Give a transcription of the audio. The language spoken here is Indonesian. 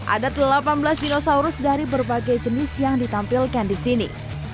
ada delapan belas dinosaurus dari berbagai jenis yang ditampilkan di sini